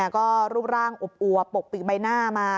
ก็รูปร่างอวบปกปิดใบหน้ามา